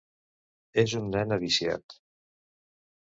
És un nen aviciat...